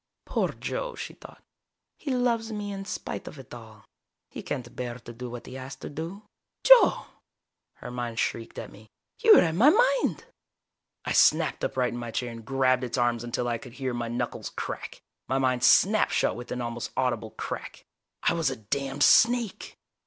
_ Poor Joe, she thought. He loves me in spite of it all. He can't bear to do what he has to do. Joe! her mind shrieked at me. You read my mind! I snapped upright in my chair and grabbed its arms until I could hear my knuckles crack. My mind snapped shut with an almost audible crack. _I was a damned snake!